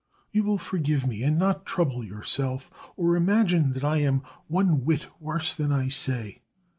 You will forgive me and not trouble yourself, or imagine that I am one whit worse than I say.